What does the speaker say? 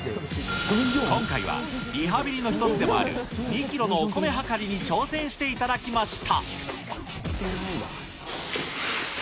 今回はリハビリの１つでもある、２キロのお米量りに挑戦していただきました。